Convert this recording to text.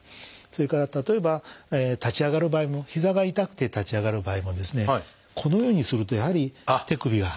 それから例えば立ち上がる場合もひざが痛くて立ち上がる場合もこのようにするとやはり手首は。